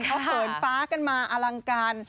เขาเหินฟ้ากันมาอลังการ